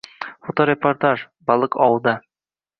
Fotoreportaj: Baliq ovida